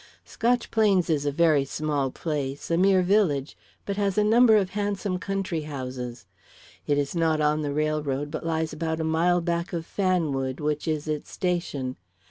Scotch Plains is a very small place a mere village but has a number of handsome country homes. It is not on the railroad, but lies about a mile back of Fanwood, which is its station.